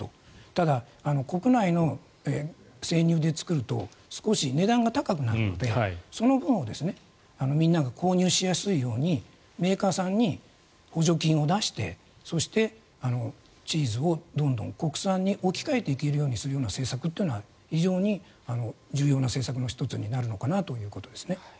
ただ、国内の生乳で作ると少し値段が高くなるのでその分をみんなが購入しやすいようにメーカーさんに補助金を出してそして、チーズをどんどん国産に置き換えていけるような政策というのは非常に重要な政策の１つになるのかなということですね。